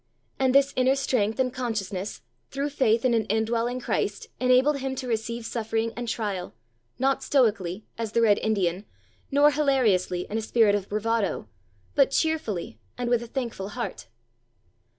And this inner strength and consciousness, through faith, in an indwelling Christ enabled him to receive suffering and trial, not stoically as the Red Indian, nor hilariously, in a spirit of bravado, but cheerfully and with a thankful heart.